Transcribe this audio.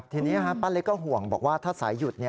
ทีนี้ป้าเล็กก็ห่วงบอกว่าถ้าสายหยุด